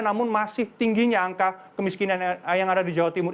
namun masih tingginya angka kemiskinan yang ada di jawa timur